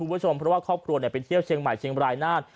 คุณผู้ชมเพราะว่าครอบครัวไปเที่ยวเชียงใหม่เชียงบรายนาน